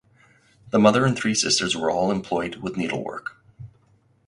The mother and three sisters were all employed with needlework.